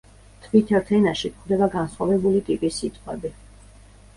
თვით ერთ ენაში გვხვდება განსხვავებული ტიპის სიტყვები.